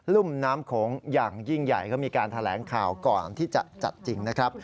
ุ่มน้ำโขงอย่างยิ่งใหญ่ก็มีการแถลงข่าวก่อนที่จะจัดจริงนะครับ